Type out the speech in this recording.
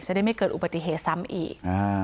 ได้ไม่เกิดอุบัติเหตุซ้ำอีก